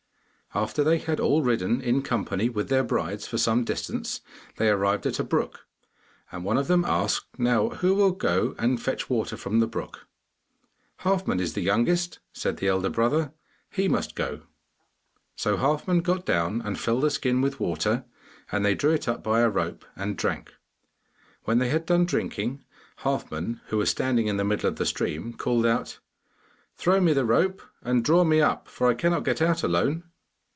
After they had all ridden, in company with their brides, for some distance, they arrived at a brook, and one of them asked, 'Now, who will go and fetch water from the brook?' 'Halfman is the youngest,' said the elder brother, 'he must go.' So Halfman got down and filled a skin with water, and they drew it up by a rope and drank. When they had done drinking, Halfman, who was standing in the middle of the stream, called out: 'Throw me the rope and draw me up, for I cannot get out alone.